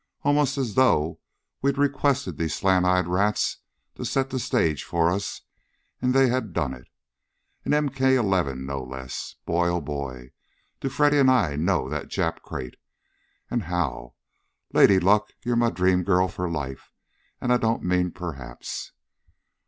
"Almost as though we'd requested these slant eyed rats to set the stage for us, and they had done it. An MK 11, no less. Boy, oh boy! Do Freddy and I know that Jap crate, and how! Lady Luck, you're my dream girl for life, and I don't mean perhaps!"